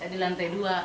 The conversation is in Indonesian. saya di lantai dua